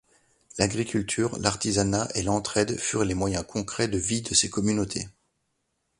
L'agriculture, l'artisanat et l'entraide furent les moyens concrets de vie de ces communautés.